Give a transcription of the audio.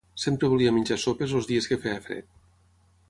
Sempre volia menjar sopes els dies que feia fred.